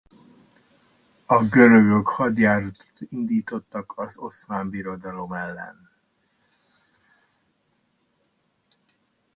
A görögök hadjáratot indítottak az Oszmán Birodalom ellen.